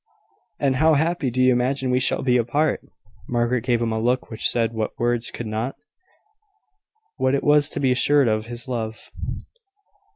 "And how happy do you imagine we shall be apart?" Margaret gave him a look which said what words could not what it was to be assured of his love.